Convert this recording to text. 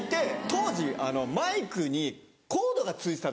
当時マイクにコードが付いてたんですよ。